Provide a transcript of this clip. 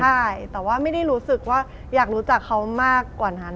ใช่แต่ว่าไม่ได้รู้สึกว่าอยากรู้จักเขามากกว่านั้น